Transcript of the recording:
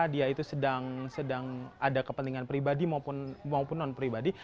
dia itu sedang ada kepentingan pribadi maupun non pribadi